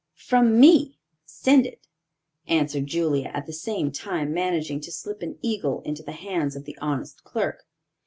"From me; send it," answered Julia, at the same time managing to slip an eagle into the hands of the honest clerk.